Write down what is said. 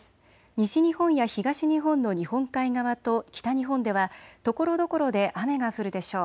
西日本や東日本の日本海側と北日本ではところどころで雨が降るでしょう。